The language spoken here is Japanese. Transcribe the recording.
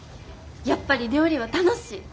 やっぱり料理は楽しい。